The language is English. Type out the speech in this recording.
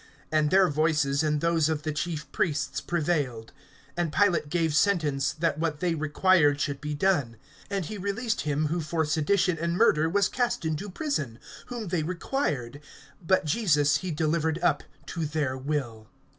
And their voices and those of the chief priests prevailed. (24)And Pilate gave sentence, that what they required should be done. (25)And he released him who for sedition and murder was cast into prison, whom they required; but Jesus he delivered up to their will.